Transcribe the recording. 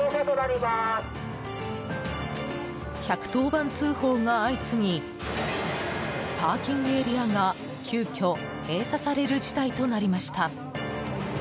１１０番通報が相次ぎパーキングエリアが急きょ閉鎖される事態となりました。